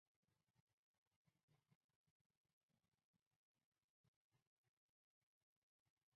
这两者都使得样本不足以反映真实人口的情况。